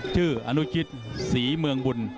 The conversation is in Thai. อนุชิตศรีเมืองบุญ